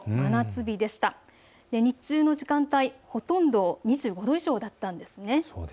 日中の時間帯２５度以上だったんですね。